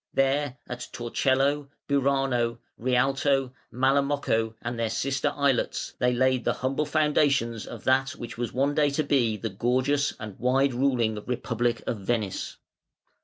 There at Torcello, Burano, Rialto, Malamocco, and their sister islets, they laid the humble foundations of that which was one day to be the gorgeous and wide ruling Republic of Venice.